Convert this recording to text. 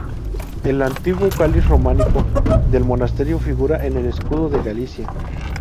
El antiguo cáliz románico del monasterio figura en el escudo de Galicia.